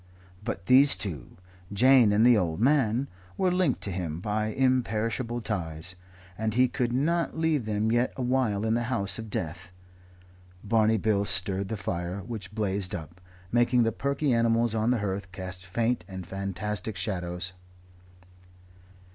But these two Jane and the old man were linked to him by imperishable ties, and he could not leave them yet awhile in the house of death. Barney Bill stirred the fire, which blazed up, making the perky animals on the hearth cast faint and fantastic shadows.